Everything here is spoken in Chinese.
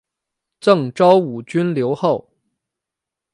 赠昭武军留后。